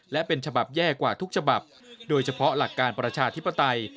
และเป็นฉบับแย่กว่าทุกฉบับโดยเฉพาะหลักการประชาธิปไตย